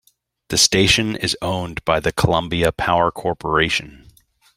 The station is owned by the Columbia Power Corporation.